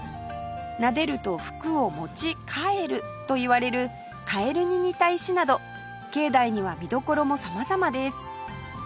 撫でると福を持ちかえるといわれるカエルに似た石など境内には見どころも様々です